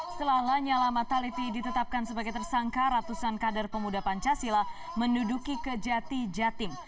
setelah lanyala mataliti ditetapkan sebagai tersangka ratusan kader pemuda pancasila menduduki kejati jatim